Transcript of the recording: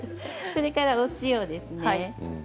それから、お塩ですね。